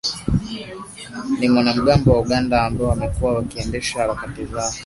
ni wanamgambo wa Uganda ambao wamekuwa wakiendesha harakati zao mashariki mwa Kongo